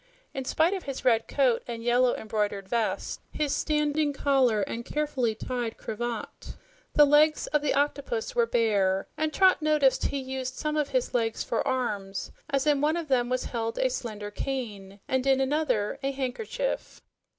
In spite of his red coat and yellow embroidered vest, his standing collar and carefully tied cravat, the legs of the octopus were bare, and Trot noticed he used some of his legs for arms, as in one of them was held a slender cane and in another a handkerchief.